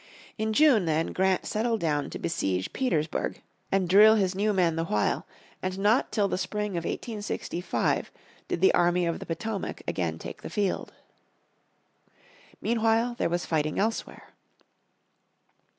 In June then Grant settled down to besiege Petersburg, and drill his new men the while, and not till the spring of 1865 did the army of the Potomac again take the field. Meanwhile there was fighting elsewhere.